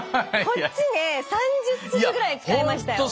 こっちね３０粒ぐらい使いましたよ。